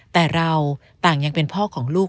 แต่เราต่างยังเป็นพ่อของลูก